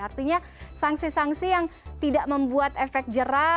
artinya sangsi sangsi yang tidak membuat efek jerah